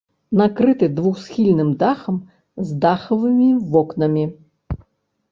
Накрыты двухсхільным дахам з дахавымі вокнамі.